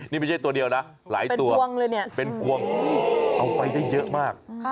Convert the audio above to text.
นี่ไม่ใช่ตัวเดียวนะหลายตัวเป็นกวงเอาไปได้เยอะมาก